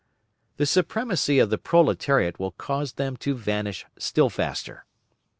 The supremacy of the proletariat will cause them to vanish still faster.